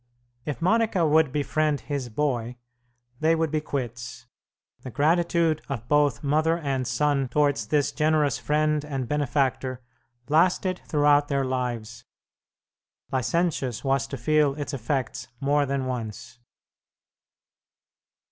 If Monica would befriend his boy, they would be quits. The gratitude of both mother and son towards this generous friend and benefactor lasted throughout their lives. Licentius was to feel its effects more than once.